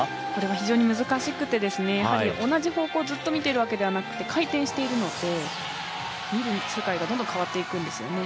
非常に難しくて、同じ方向をずっと見ているわけではなくて回転しているので、見る世界がどんどん変わっていくんですよね